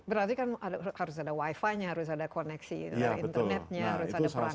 berarti kan harus ada wifi nya harus ada koneksi internetnya harus ada peran